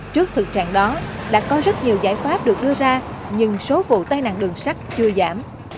trước thực trạng đó đã có rất nhiều giải pháp được đưa ra nhưng số vụ tai nạn đường sắt chưa giảm